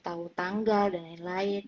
udah ada kondisi yang tinggal dan lain lain